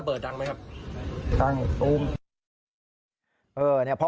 มีระเบิดดังไหมครับ